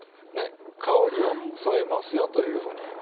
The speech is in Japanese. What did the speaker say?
ねっ香りを添えますよというふうに。